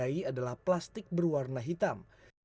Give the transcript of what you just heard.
yang harus diwaspadai adalah plastik berwarna hitam